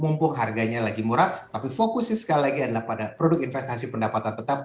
mumpuk harganya lagi murah tapi fokusnya sekali lagi adalah pada produk investasi pendapatan tetap